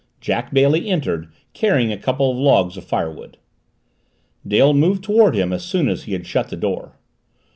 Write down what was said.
Jack Bailey entered, carrying a couple of logs of firewood. Dale moved toward him as soon as he had shut the door.